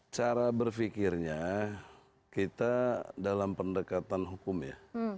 cara berfikirnya kita dalam pendekatan hukum ya